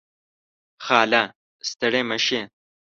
خاله . ستړې مشې